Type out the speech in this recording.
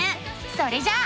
それじゃあ。